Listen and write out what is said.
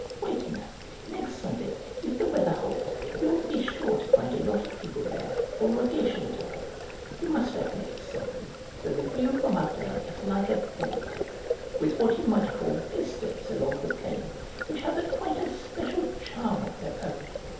Wait now, next Sunday, if the weather holds, you will be sure to find a lot of people there, for Rogation tide. You must admit, certainly, that the view from up there is like a fairy tale, with what you might call vistas along the plain, which have quite a special charm of their own.